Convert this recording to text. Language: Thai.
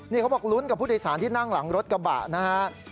นี่เขาบอกลุ้นกับผู้โดยสารที่นั่งหลังรถกระบะนะฮะ